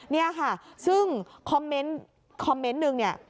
นี่ค่ะซึ่งคอมเมนต์หนึ่ง